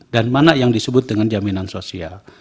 dan mana yang disebut dengan jaminan sosial